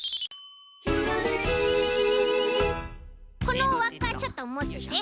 このわっかちょっともってて。